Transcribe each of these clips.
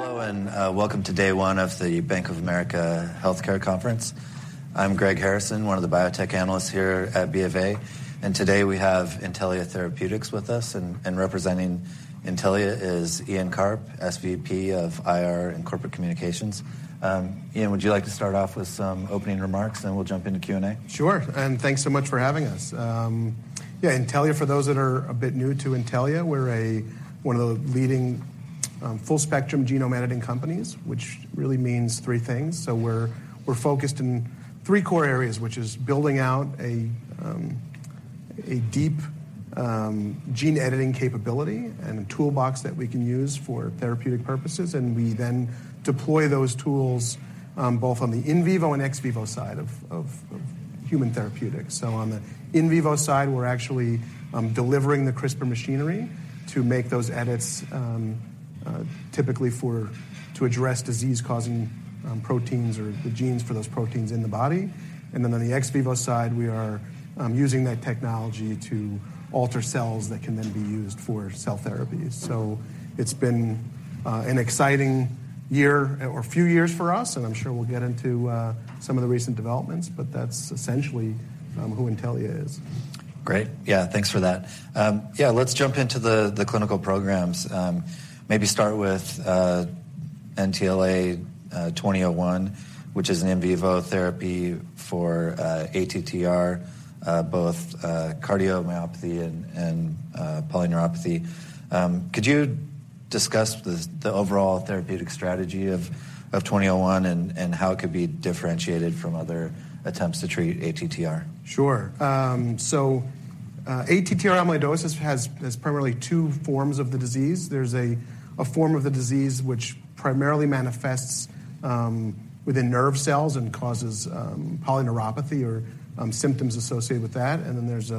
Hello, and welcome to day one of the Bank of America Healthcare Conference. I'm Greg Harrison, one of the biotech analysts here at BofA. Today we have Intellia Therapeutics with us. Representing Intellia is Ian Karp, SVP of IR and Corporate Communications. Ian, would you like to start off with some opening remarks, then we'll jump into Q&A? Sure. Thanks so much for having us. Yeah, Intellia, for those that are a bit new to Intellia, we're one of the leading, full spectrum genome editing companies, which really means three things. We're focused in three core areas, which is building out a deep, gene editing capability and a toolbox that we can use for therapeutic purposes, and we then deploy those tools, both on the in vivo and ex vivo side of human therapeutics. On the in vivo side, we're actually delivering the CRISPR machinery to make those edits, typically to address disease-causing proteins or the genes for those proteins in the body. On the ex vivo side, we are using that technology to alter cells that can then be used for cell therapies. It's been an exciting year or few years for us, and I'm sure we'll get into, some of the recent developments. That's essentially, who Intellia is. Great. Yeah, thanks for that. Let's jump into the clinical programs. Maybe start with NTLA-2001, which is an in vivo therapy for ATTR, both cardiomyopathy and polyneuropathy. Could you discuss the overall therapeutic strategy of 2001 and how it could be differentiated from other attempts to treat ATTR? Sure. ATTR amyloidosis has primarily two forms of the disease. There's a form of the disease which primarily manifests within nerve cells and causes polyneuropathy or symptoms associated with that. There's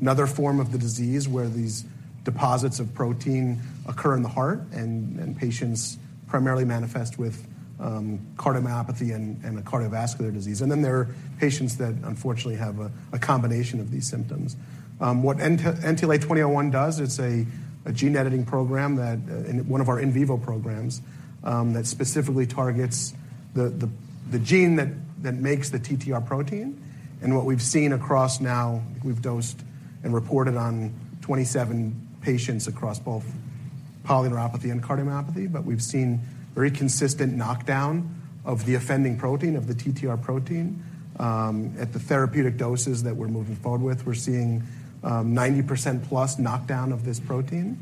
another form of the disease where these deposits of protein occur in the heart and patients primarily manifest with cardiomyopathy and a cardiovascular disease. There are patients that unfortunately have a combination of these symptoms. What NTLA-2001 does, it's a gene editing program that in one of our in vivo programs that specifically targets the gene that makes the TTR protein. What we've seen across now, we've dosed and reported on 27 patients across both polyneuropathy and cardiomyopathy. We've seen very consistent knockdown of the offending protein, of the TTR protein, at the therapeutic doses that we're moving forward with. We're seeing, 90%+ knockdown of this protein.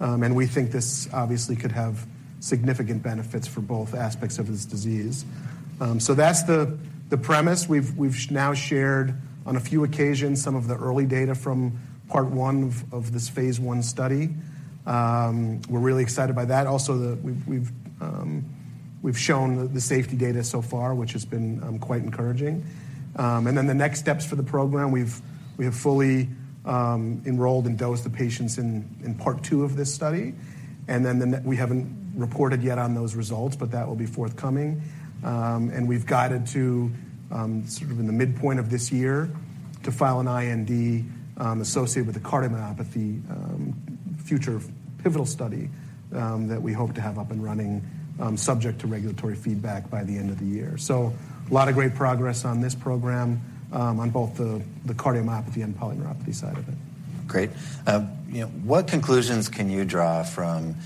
We think this obviously could have significant benefits for both aspects of this disease. That's the premise. We've now shared on a few occasions some of the early data from part 1 of this Phase 1 study. We're really excited by that. Also, we've shown the safety data so far, which has been quite encouraging. The next steps for the program, we have fully enrolled and dosed the patients in part 2 of this study. We haven't reported yet on those results, but that will be forthcoming. We've guided to, sort of in the midpoint of this year to file an IND associated with the cardiomyopathy future pivotal study that we hope to have up and running subject to regulatory feedback by the end of the year. A lot of great progress on this program on both the cardiomyopathy and polyneuropathy side of it. Great. You know, what conclusions can you draw from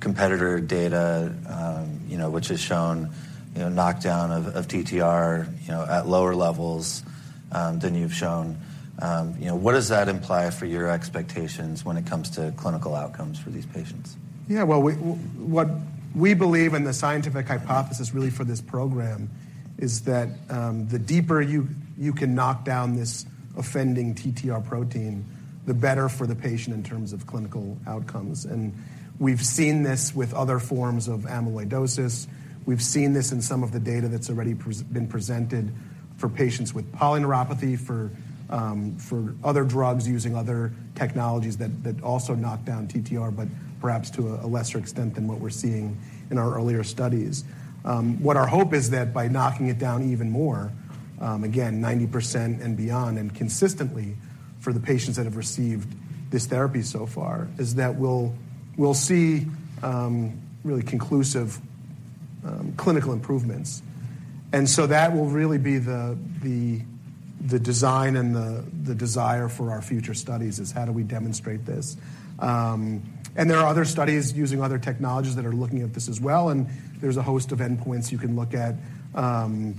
competitor data, you know, which has shown, you know, knockdown of TTR, you know, at lower levels than you've shown? You know, what does that imply for your expectations when it comes to clinical outcomes for these patients? Well, what we believe and the scientific hypothesis really for this program is that the deeper you can knock down this offending TTR protein, the better for the patient in terms of clinical outcomes. We've seen this with other forms of amyloidosis. We've seen this in some of the data that's already been presented for patients with polyneuropathy for other drugs using other technologies that also knock down TTR, but perhaps to a lesser extent than what we're seeing in our earlier studies. What our hope is that by knocking it down even more, again, 90% and beyond, and consistently for the patients that have received this therapy so far, is that we'll see really conclusive clinical improvements. That will really be the design and the desire for our future studies is how do we demonstrate this? There are other studies using other technologies that are looking at this as well, and there's a host of endpoints you can look at,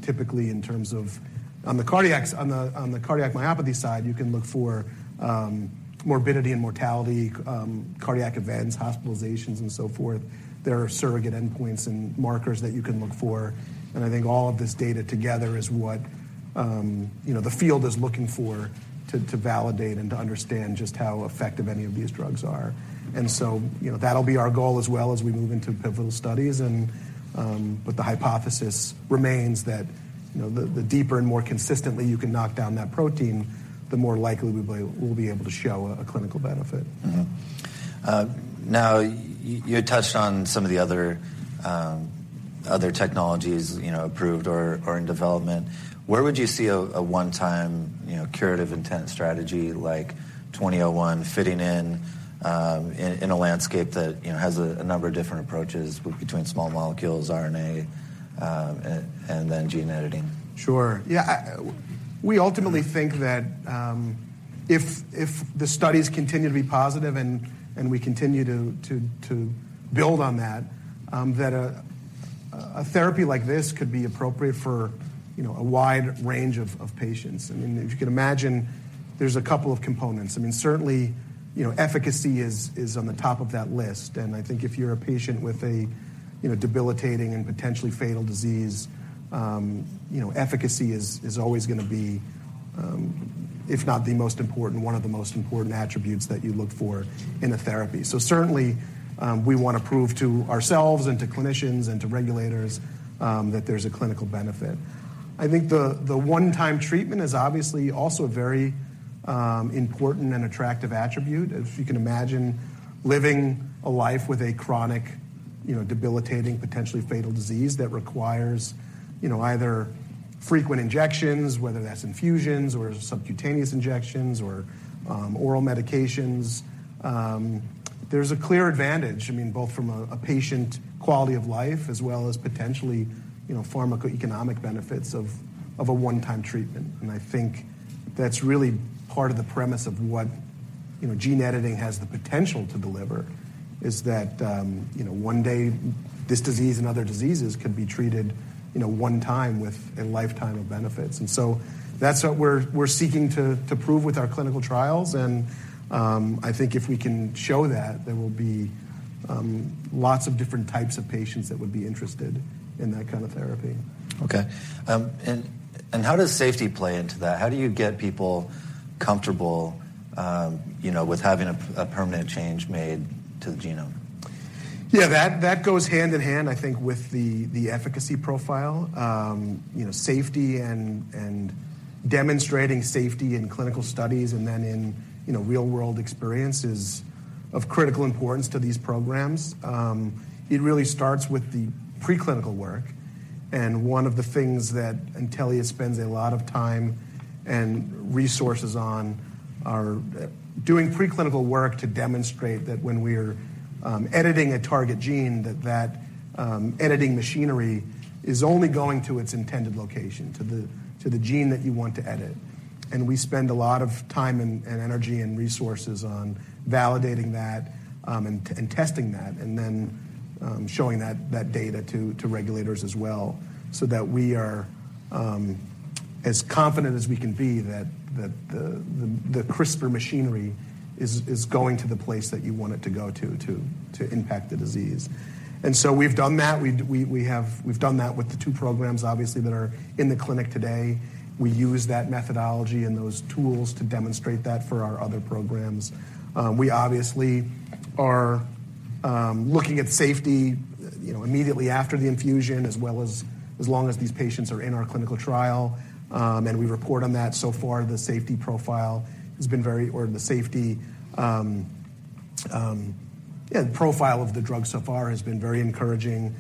typically in terms of on the cardiomyopathy side, you can look for, morbidity and mortality, cardiac events, hospitalizations and so forth. There are surrogate endpoints and markers that you can look for, and I think all of this data together is what, you know, the field is looking for to validate and to understand just how effective any of these drugs are. You know, that'll be our goal as well as we move into pivotal studies and, but the hypothesis remains that, you know, the deeper and more consistently you can knock down that protein, the more likely we'll be able to show a clinical benefit. Now you touched on some of the other technologies, you know, approved or in development. Where would you see a one-time, you know, curative intent strategy like NTLA-2001 fitting in a landscape that, you know, has a number of different approaches between small molecules, RNA, and then gene editing? Sure. Yeah. We ultimately think that if the studies continue to be positive and we continue to build on that a therapy like this could be appropriate for, you know, a wide range of patients. I mean, if you could imagine, there's a couple of components. I mean, certainly, you know, efficacy is on the top of that list. I think if you're a patient with a, you know, debilitating and potentially fatal disease, you know, efficacy is always gonna be, if not the most important, one of the most important attributes that you look for in a therapy. Certainly, we wanna prove to ourselves and to clinicians and to regulators that there's a clinical benefit. I think the one-time treatment is obviously also a very important and attractive attribute. If you can imagine living a life with a chronic, you know, debilitating, potentially fatal disease that requires, you know, either frequent injections, whether that's infusions or subcutaneous injections or oral medications, there's a clear advantage, I mean, both from a patient quality of life as well as potentially, you know, pharmacoeconomic benefits of a one-time treatment. I think that's really part of the premise of what, you know, gene editing has the potential to deliver is that, you know, one day this disease and other diseases could be treated, you know, one time with a lifetime of benefits. That's what we're seeking to prove with our clinical trials. I think if we can show that, there will be lots of different types of patients that would be interested in that kind of therapy. Okay. How does safety play into that? How do you get people comfortable, you know, with having a permanent change made to the genome? Yeah, that goes hand in hand, I think with the efficacy profile. You know, safety and demonstrating safety in clinical studies and then in, you know, real-world experience is of critical importance to these programs. It really starts with the preclinical work, and one of the things that Intellia spends a lot of time and resources on are doing preclinical work to demonstrate that when we're editing a target gene, that that editing machinery is only going to its intended location, to the, to the gene that you want to edit. We spend a lot of time and energy and resources on validating that and testing that, and then showing that data to regulators as well, so that we are as confident as we can be that the CRISPR machinery is going to the place that you want it to go to to impact the disease. We've done that. We've done that with the two programs, obviously, that are in the clinic today. We use that methodology and those tools to demonstrate that for our other programs. We obviously are looking at safety, you know, immediately after the infusion, as well as long as these patients are in our clinical trial. We report on that. So far, the safety profile has been very... The safety, Yeah, the profile of the drug so far has been very encouraging,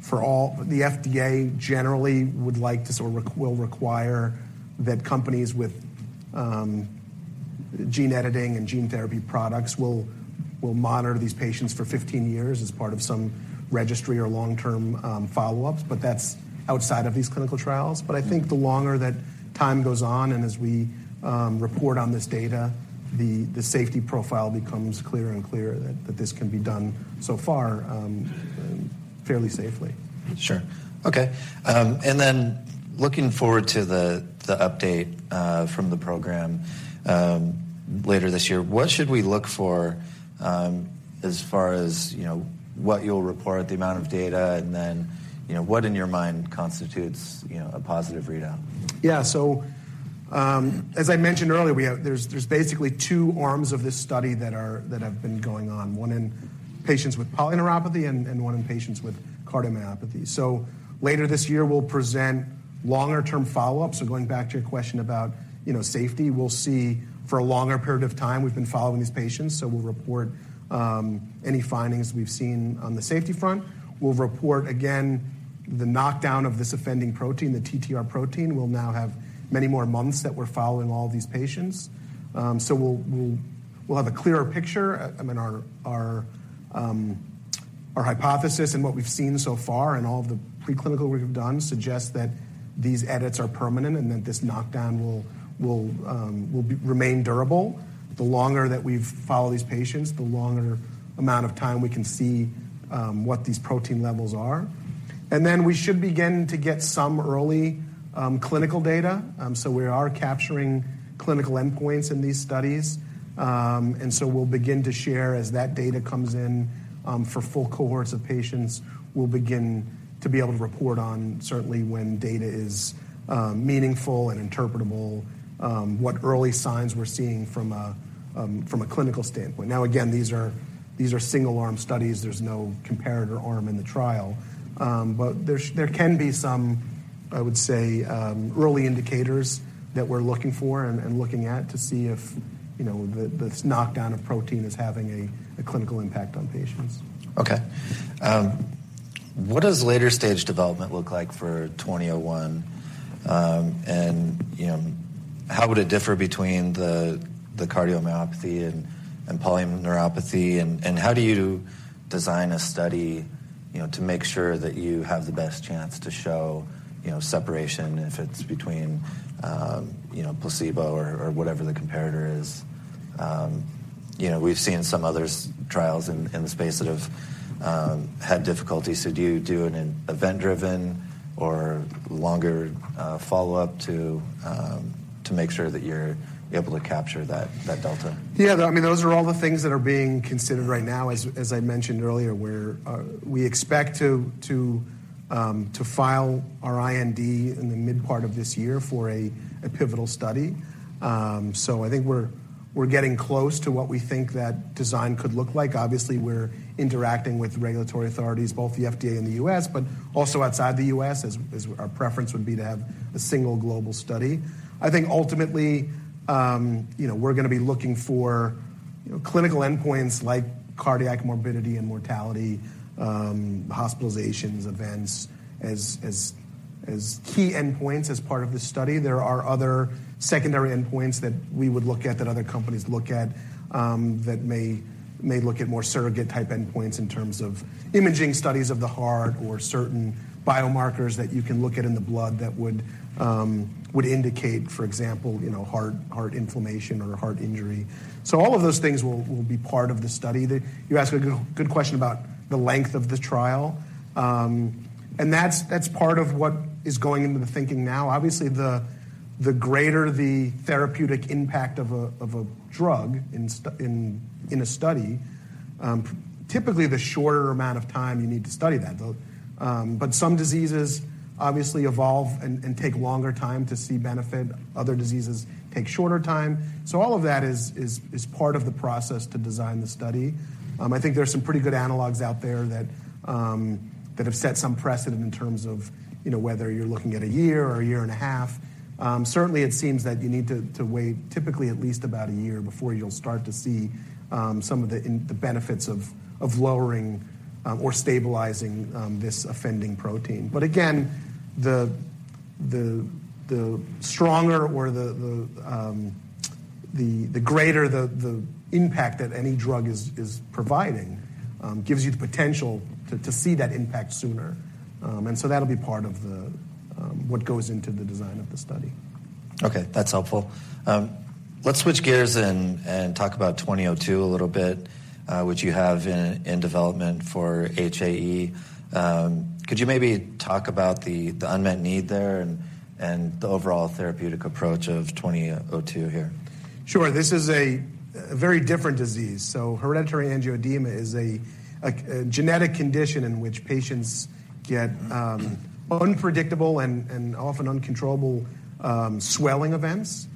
for all. The FDA generally would like to sort of will require that companies with gene editing and gene therapy products will monitor these patients for 15 years as part of some registry or long-term follow-ups, but that's outside of these clinical trials. I think the longer that time goes on and as we report on this data, the safety profile becomes clearer and clearer that this can be done so far, fairly safely. Sure. Okay. Looking forward to the update from the program later this year, what should we look for as far as, you know, what you'll report, the amount of data, and then, you know, what in your mind constitutes, you know, a positive readout? As I mentioned earlier, There's basically two arms of this study that have been going on, one in patients with polyneuropathy and one in patients with cardiomyopathy. Later this year, we'll present longer term follow-ups. Going back to your question about, you know, safety, we'll see for a longer period of time we've been following these patients, so we'll report any findings we've seen on the safety front. We'll report again the knockdown of this offending protein, the TTR protein. We'll now have many more months that we're following all these patients. We'll have a clearer picture. I mean, our hypothesis and what we've seen so far and all the preclinical work we've done suggests that these edits are permanent and that this knockdown will remain durable. The longer that we've followed these patients, the longer amount of time we can see what these protein levels are. We should begin to get some early clinical data. We are capturing clinical endpoints in these studies. We'll begin to share as that data comes in for full cohorts of patients. We'll begin to be able to report on certainly when data is meaningful and interpretable, what early signs we're seeing from a clinical standpoint. Now, again, these are single-arm studies. There's no comparator arm in the trial. There can be some, I would say, early indicators that we're looking for and looking at to see if, you know, this knockdown of protein is having a clinical impact on patients. Okay. What does later-stage development look like for NTLA-2001? You know, how would it differ between the cardiomyopathy and polyneuropathy, and how do you design a study, you know, to make sure that you have the best chance to show, you know, separation if it's between, you know, placebo or whatever the comparator is? You know, we've seen some others trials in the space that have had difficulties. Do you do an event-driven or longer follow-up to make sure that you're able to capture that delta? Yeah. I mean, those are all the things that are being considered right now. As I mentioned earlier, we expect to file our IND in the mid-part of this year for a pivotal study. I think we're getting close to what we think that design could look like. Obviously, we're interacting with regulatory authorities, both the FDA and the U.S., also outside the U.S., as our preference would be to have a single global study. I think ultimately, you know, we're gonna be looking for, you know, clinical endpoints like cardiac morbidity and mortality, hospitalizations, events as key endpoints as part of this study. There are other secondary endpoints that we would look at, that other companies look at, that may look at more surrogate-type endpoints in terms of imaging studies of the heart or certain biomarkers that you can look at in the blood that would indicate, for example, you know, heart inflammation or heart injury. All of those things will be part of the study. You asked a good question about the length of the trial. And that's part of what is going into the thinking now. Obviously, the greater the therapeutic impact of a drug in a study, typically the shorter amount of time you need to study that, though. But some diseases obviously evolve and take longer time to see benefit. Other diseases take shorter time. All of that is part of the process to design the study. I think there are some pretty good analogs out there that have set some precedent in terms of, you know, whether you're looking at a year or a year and a half. Certainly, it seems that you need to wait typically at least about a year before you'll start to see some of the benefits of lowering or stabilizing this offending protein. Again, the stronger or the greater the impact that any drug is providing, gives you the potential to see that impact sooner. That'll be part of the what goes into the design of the study. Okay. That's helpful. Let's switch gears and talk about NTLA-2002 a little bit, which you have in development for HAE. Could you maybe talk about the unmet need there and the overall therapeutic approach of NTLA-2002 here? Sure. This is a very different disease. Hereditary angioedema is a genetic condition in which patients get unpredictable and often uncontrollable swelling events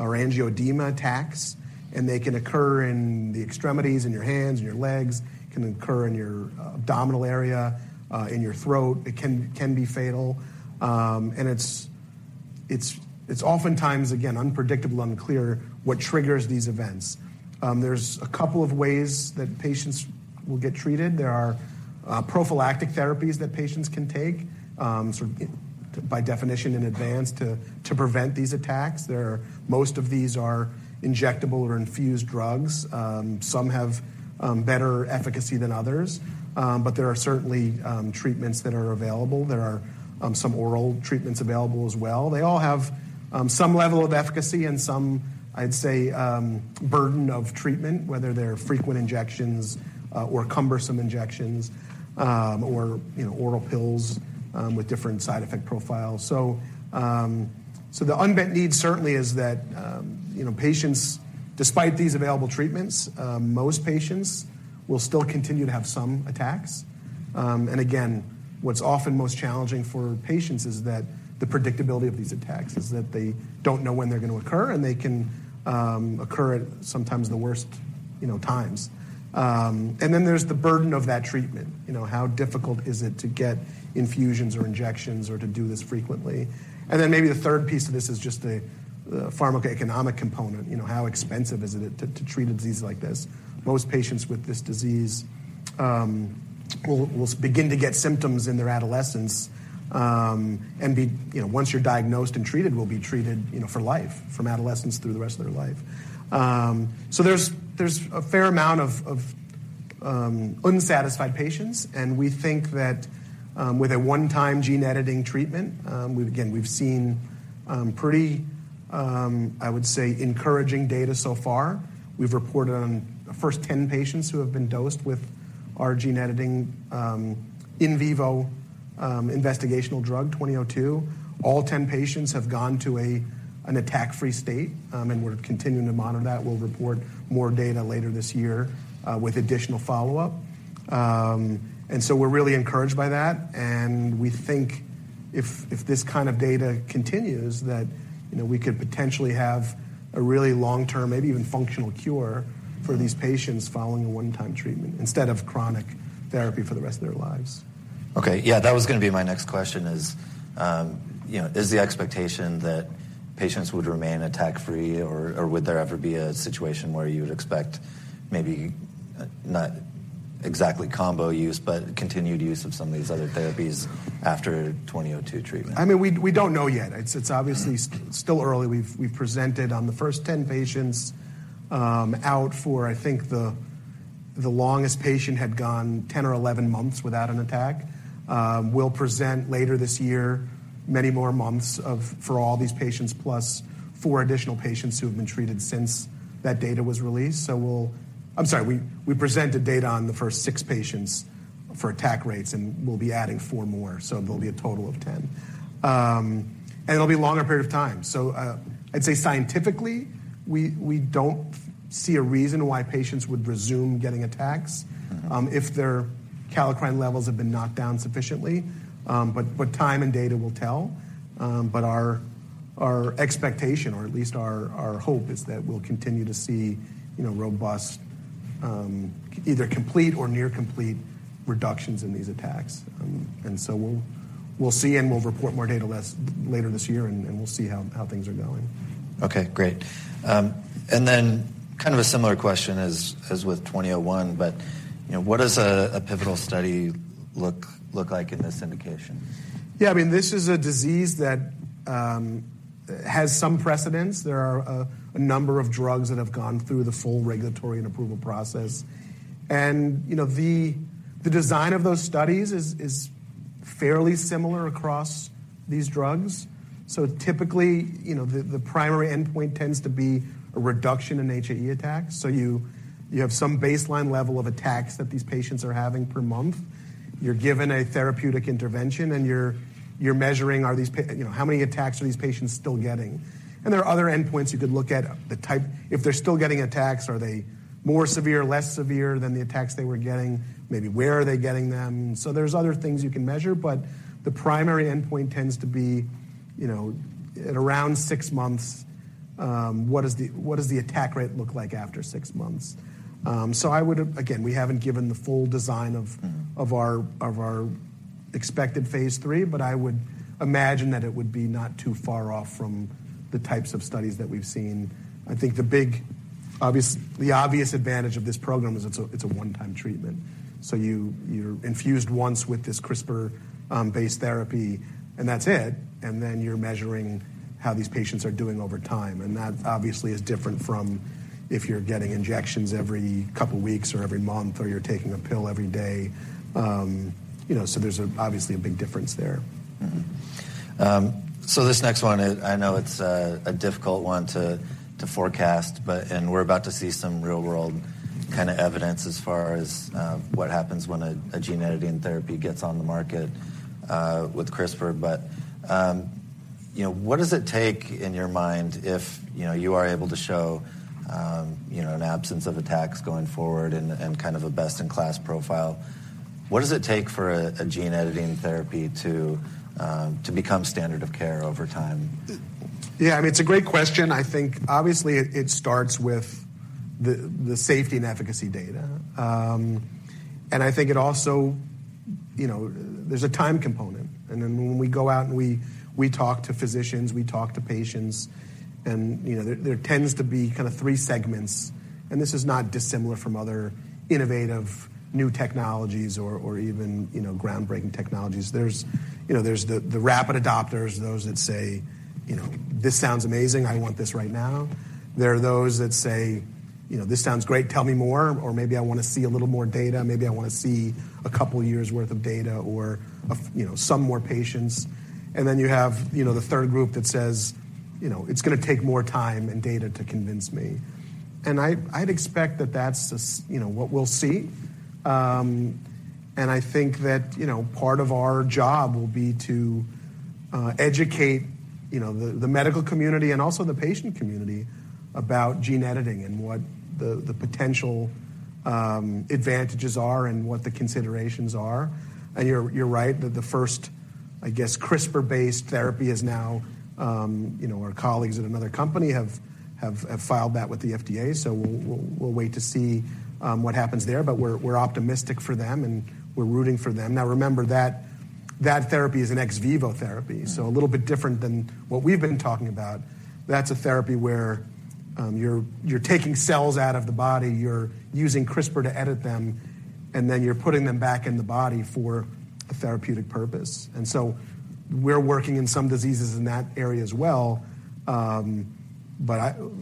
or angioedema attacks, and they can occur in the extremities, in your hands, in your legs. It can occur in your abdominal area, in your throat. It can be fatal. It's oftentimes, again, unpredictable, unclear what triggers these events. There's a couple of ways that patients will get treated. There are prophylactic therapies that patients can take sort of by definition in advance to prevent these attacks. Most of these are injectable or infused drugs. Some have better efficacy than others. There are certainly treatments that are available. There are some oral treatments available as well. They all have some level of efficacy and some, I'd say, burden of treatment, whether they're frequent injections, or cumbersome injections, or, you know, oral pills, with different side effect profiles. The unmet need certainly is that, you know, patients, despite these available treatments, most patients will still continue to have some attacks. Again, what's often most challenging for patients is that the predictability of these attacks, is that they don't know when they're gonna occur, and they can occur at sometimes the worst, you know, times. Then there's the burden of that treatment. You know, how difficult is it to get infusions or injections or to do this frequently. Then maybe the third piece of this is just the pharmacoeconomic component. You know, how expensive is it to treat a disease like this? Most patients with this disease will begin to get symptoms in their adolescence, and be, you know, once you're diagnosed and treated, will be treated, you know, for life. From adolescence through the rest of their life. There's a fair amount of unsatisfied patients, and we think that with a one-time gene editing treatment, we've seen pretty, I would say encouraging data so far. We've reported on the first 10 patients who have been dosed with our gene editing, in vivo, investigational drug, NTLA-2002. All 10 patients have gone to an attack-free state, we're continuing to monitor that. We'll report more data later this year with additional follow-up. We're really encouraged by that. We think if this kind of data continues, that, you know, we could potentially have a really long-term, maybe even functional cure for these patients following a one-time treatment instead of chronic therapy for the rest of their lives. Okay. Yeah, that was gonna be my next question is, you know, is the expectation that patients would remain attack-free or would there ever be a situation where you would expect maybe not exactly combo use, but continued use of some of these other therapies after NTLA-2002 treatment? I mean, we don't know yet. It's obviously still early. We've presented on the first 10 patients, out for, I think the longest patient had gone 10 or 11 months without an attack. We'll present later this year many more months for all these patients, plus 4 additional patients who have been treated since that data was released. I'm sorry. We presented data on the first 6 patients for attack rates, and we'll be adding 4 more, so there'll be a total of 10. It'll be a longer period of time. I'd say scientifically, we don't see a reason why patients would resume getting attacks. Mm-hmm. if their kallikrein levels have been knocked down sufficiently. Time and data will tell. Our expectation, or at least our hope is that we'll continue to see, you know, robust, either complete or near complete reductions in these attacks. We'll see, and we'll report more data later this year, and we'll see how things are going. Okay, great. kind of a similar question as with NTLA-2001, but, you know, what does a pivotal study look like in this indication? Yeah. I mean, this is a disease that has some precedents. There are a number of drugs that have gone through the full regulatory and approval process. You know, the design of those studies is fairly similar across these drugs. Typically, you know, the primary endpoint tends to be a reduction in HAE attacks. You have some baseline level of attacks that these patients are having per month. You're given a therapeutic intervention, and you're measuring, you know, how many attacks are these patients still getting. There are other endpoints you could look at. If they're still getting attacks, are they more severe, less severe than the attacks they were getting? Maybe where are they getting them? There's other things you can measure, but the primary endpoint tends to be, you know, at around six months, what does the attack rate look like after six months? Again, we haven't given the full design of- Mm-hmm. -of our expected phase three, but I would imagine that it would be not too far off from the types of studies that we've seen. I think the obvious advantage of this program is it's a one-time treatment. You're infused once with this CRISPR based therapy, and that's it, and then you're measuring how these patients are doing over time. That obviously is different from if you're getting injections every couple weeks or every month or you're taking a pill every day. You know, there's obviously a big difference there. This next one, I know it's a difficult one to forecast. We're about to see some real-world kinda evidence as far as what happens when a gene editing therapy gets on the market with CRISPR. You know, what does it take in your mind if, you know, you are able to show, you know, an absence of attacks going forward and kind of a best-in-class profile? What does it take for a gene editing therapy to become standard of care over time? Yeah, I mean, it's a great question. I think obviously it starts with the safety and efficacy data. I think it also. You know, there's a time component. I mean, when we go out, and we talk to physicians, we talk to patients, and, you know, there tends to be kind of three segments, and this is not dissimilar from other innovative new technologies or even, you know, groundbreaking technologies. There's, you know, there's the rapid adopters, those that say, you know, "This sounds amazing. I want this right now." There are those that say, you know, "This sounds great. Tell me more," or, "Maybe I wanna see a little more data. Maybe I want to see a couple years worth of data or of, you know, some more patients. Then you have, you know, the third group that says, you know, "It's gonna take more time and data to convince me." I'd expect that that's you know, what we'll see. I think that, you know, part of our job will be to educate, you know, the medical community and also the patient community about gene editing and what the potential advantages are and what the considerations are. You're right that the first, I guess, CRISPR-based therapy is now, you know, our colleagues at another company have filed that with the FDA. We'll wait to see what happens there, but we're optimistic for them, and we're rooting for them. Now, remember that therapy is an ex vivo therapy. Mm-hmm. A little bit different than what we've been talking about. That's a therapy where you're taking cells out of the body, you're using CRISPR to edit them, and then you're putting them back in the body for a therapeutic purpose. We're working in some diseases in that area as well.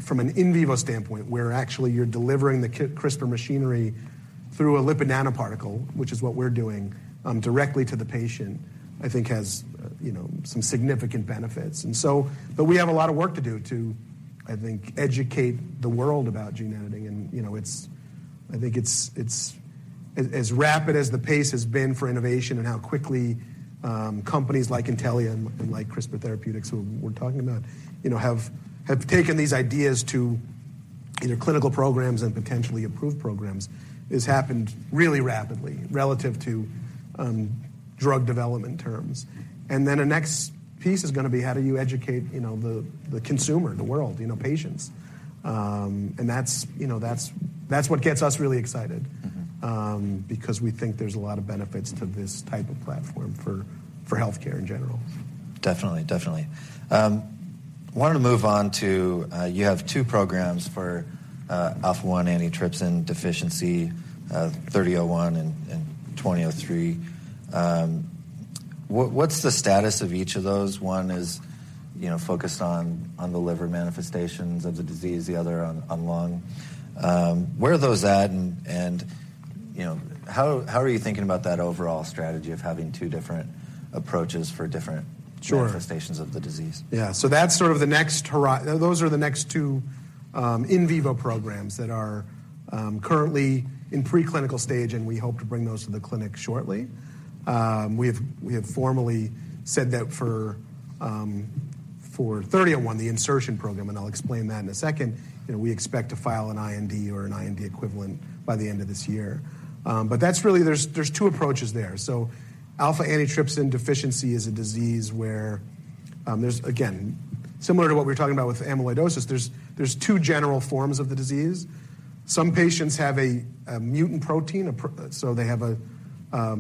From an in vivo standpoint, where actually you're delivering the CRISPR machinery through a lipid nanoparticle, which is what we're doing, directly to the patient, I think has, you know, some significant benefits. We have a lot of work to do to, I think, educate the world about gene editing, and, you know, it's. I think it's... As rapid as the pace has been for innovation and how quickly, companies like Intellia and like CRISPR Therapeutics, who we're talking about, you know, have taken these ideas to either clinical programs and potentially approved programs, has happened really rapidly relative to drug development terms. The next piece is gonna be how do you educate, you know, the consumer, the world, you know, patients. That's, you know, that's what gets us really excited. Mm-hmm. Because we think there's a lot of benefits to this type of platform for healthcare in general. Definitely. Definitely. Wanted to move on to, you have two programs for alpha-1 antitrypsin deficiency, 3001 and 2003. What's the status of each of those? One is, you know, focused on the liver manifestations of the disease, the other on lung. Where are those at, and, you know, how are you thinking about that overall strategy of having two different approaches for? Sure. manifestations of the disease? Yeah. That's sort of the next Those are the next two in vivo programs that are currently in preclinical stage, and we hope to bring those to the clinic shortly. We have formally said that for 3001, the insertion program, and I'll explain that in a second. You know, we expect to file an IND or an IND equivalent by the end of this year. That's really there's two approaches there. Alpha-1 Antitrypsin Deficiency is a disease where, again, similar to what we're talking about with amyloidosis, there's two general forms of the disease. Some patients have a mutant protein, so they have a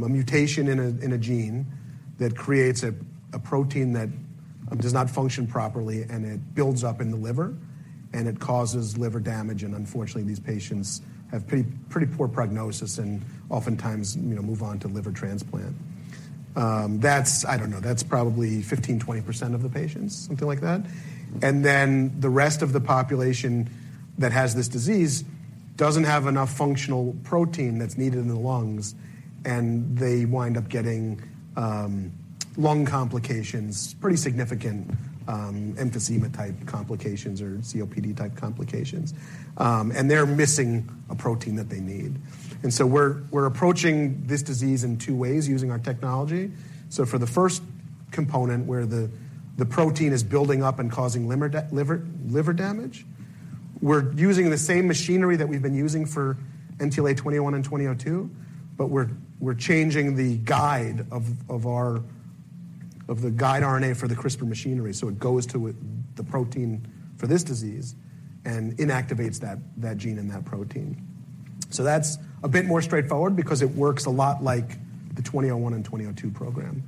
mutation in a gene that creates a protein that does not function properly, and it builds up in the liver, and it causes liver damage. Unfortunately, these patients have pretty poor prognosis and oftentimes, you know, move on to liver transplant. I don't know. That's probably 15%, 20% of the patients, something like that. The rest of the population that has this disease doesn't have enough functional protein that's needed in the lungs, and they wind up getting lung complications, pretty significant emphysema-type complications or COPD-type complications. They're missing a protein that they need. We're approaching this disease in two ways using our technology. For the first component, where the protein is building up and causing liver damage, we're using the same machinery that we've been using for NTLA-2001 and 2002, but we're changing the guide of the guide RNA for the CRISPR machinery. It goes to it, the protein for this disease and inactivates that gene and that protein. That's a bit more straightforward because it works a lot like the 2001 and 2002 program.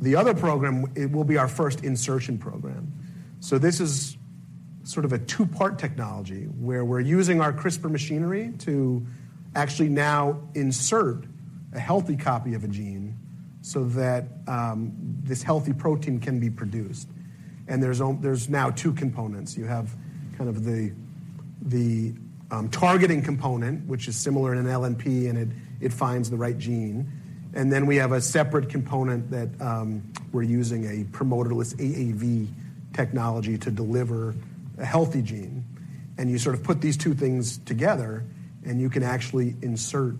The other program, it will be our first insertion program. This is sort of a 2-part technology where we're using our CRISPR machinery to actually now insert a healthy copy of a gene so that this healthy protein can be produced. There's now 2 components. You have kind of the targeting component, which is similar in an LNP, and it finds the right gene. Then we have a separate component that we're using a promoterless AAV technology to deliver a healthy gene. You sort of put these two things together, and you can actually insert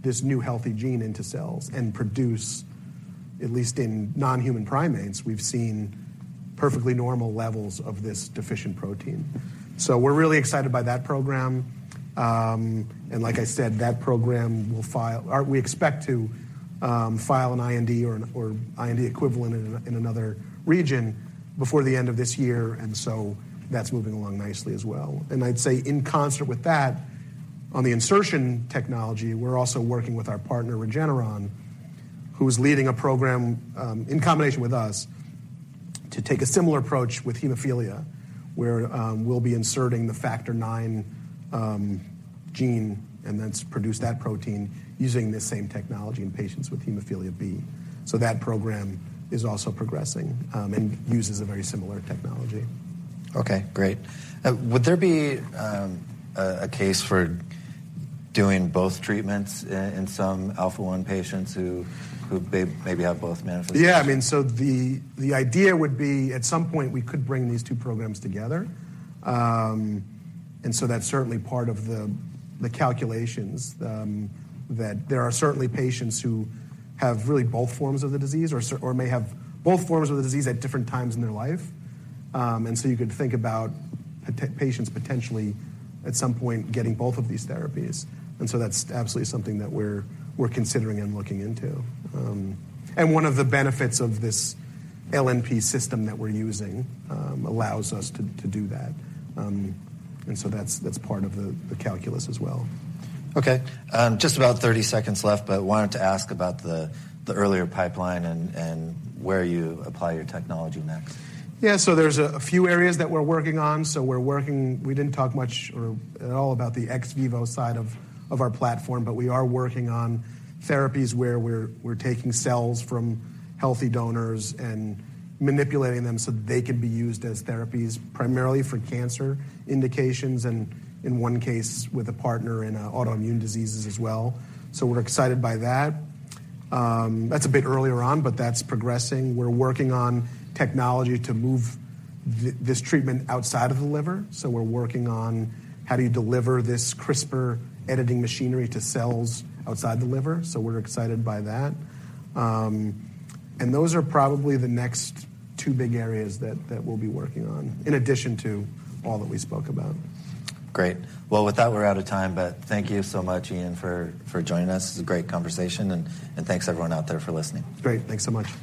this new healthy gene into cells and produce, at least in non-human primates, we've seen perfectly normal levels of this deficient protein. We're really excited by that program. Like I said, that program will file or we expect to file an IND or IND equivalent in another region before the end of this year, that's moving along nicely as well. I'd say in concert with that, on the insertion technology, we're also working with our partner, Regeneron, who's leading a program in combination with us to take a similar approach with hemophilia, where we'll be inserting the Factor 9 gene, and then produce that protein using this same technology in patients with hemophilia B. That program is also progressing and uses a very similar technology. Okay, great. Would there be a case for doing both treatments in some alpha-1 patients who maybe have both manifestations? Yeah, I mean, so the idea would be at some point, we could bring these two programs together. That's certainly part of the calculations, that there are certainly patients who have really both forms of the disease or may have both forms of the disease at different times in their life. You could think about patients potentially at some point getting both of these therapies. That's absolutely something that we're considering and looking into. One of the benefits of this LNP system that we're using, allows us to do that. That's part of the calculus as well. Okay. just about 30 seconds left, but wanted to ask about the earlier pipeline and where you apply your technology next. There's a few areas that we're working on. We didn't talk much or at all about the ex vivo side of our platform, we are working on therapies where we're taking cells from healthy donors and manipulating them so they can be used as therapies, primarily for cancer indications and in one case with a partner in autoimmune diseases as well. We're excited by that. That's a bit earlier on, that's progressing. We're working on technology to move this treatment outside of the liver, we're working on how do you deliver this CRISPR editing machinery to cells outside the liver. We're excited by that. Those are probably the next two big areas that we'll be working on in addition to all that we spoke about. Great. Well, with that, we're out of time. Thank you so much, Ian, for joining us. It's a great conversation. Thanks everyone out there for listening. Great. Thanks so much.